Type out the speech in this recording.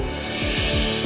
mama cukup agak jago